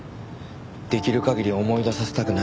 できる限り思い出させたくないんです。